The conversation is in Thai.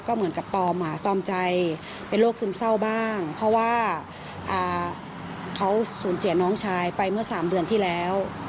เหมือนกับตอมตอมใจเป็นโรคซึมเศร้าบ้างเพราะว่าเขาสูญเสียน้องชายไปเมื่อ๓เดือนที่แล้ว